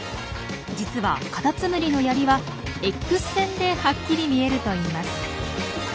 実はカタツムリのヤリはＸ線ではっきり見えるといいます。